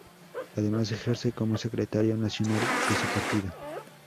Además, ejerce como Secretario Nacional de su partido.